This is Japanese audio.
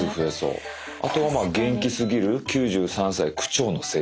「あとは元気すぎる９３歳区長の生活」。